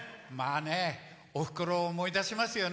おふくろを思い出しますよね